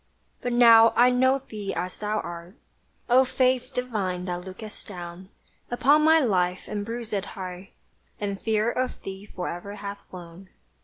But now I know thee as thou art, O Face divine that lookest down Upon my life and bruiséd heart; And fear of thee fore'er hath flown!